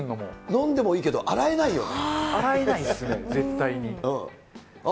飲んでもいいけど、洗えない洗えないですね、絶対に。